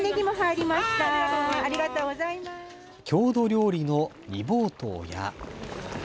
郷土料理の煮ぼうとうや。